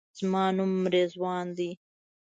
زما نوم رضوان دی.